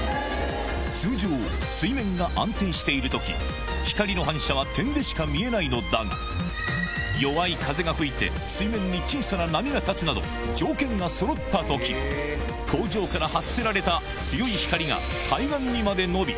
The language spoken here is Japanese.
通常水面が安定している時光の反射は点でしか見えないのだが弱い風が吹いて水面に小さな波が立つなど条件がそろった時工場から発せられた強い光が対岸にまで伸び